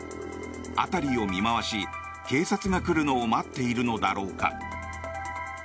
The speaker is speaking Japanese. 辺りを見回し、警察が来るのを待っているのだろうか。